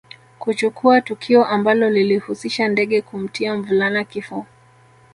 Kuchukua tukio ambalo lilihusisha ndege kumtia mvulana kifo